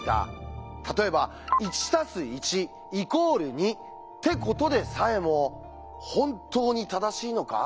例えば「１＋１＝２」ってことでさえも「本当に正しいのか？」